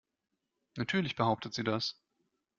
Natürlich behauptet sie das.